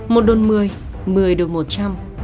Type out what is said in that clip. một đồn mười mười đồn một trăm